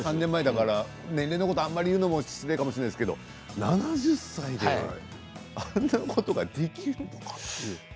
年齢のこと言うのは失礼かもしれないけど７０歳であんなことができるんですか。